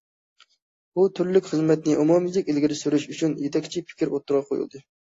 بۇ تۈرلۈك خىزمەتنى ئومۇميۈزلۈك ئىلگىرى سۈرۈش ئۈچۈن، يېتەكچى پىكىر ئوتتۇرىغا قويۇلدى.